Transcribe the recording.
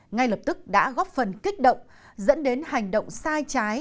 ngay lập tức đã góp phần kích động dẫn đến hành động sai trái